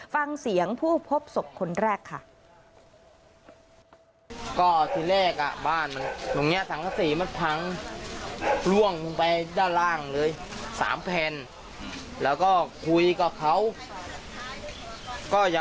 ฟังเสียงผู้พบศพคนแรกค่ะ